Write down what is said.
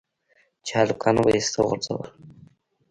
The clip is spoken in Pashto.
چې هلکانو به ايسته غورځول.